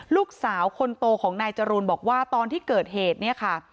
ลูกสาวคนโตของนายจรูนบอกว่าตอนที่เกิดเหตุเนี่ยค่ะ